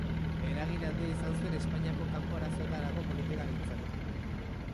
Eragin handia izan zuen Espainiako kanpo-arazoetarako politikagintzan.